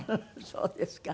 そうですか。